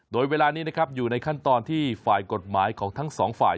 โดยเวลานี้นะครับอยู่ในขั้นตอนที่ฝ่ายกฎหมายของทั้งสองฝ่าย